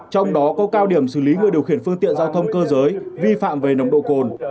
trong đó có cao điểm xử lý người điều khiển phương tiện giao thông cơ giới vi phạm về nồng độ cồn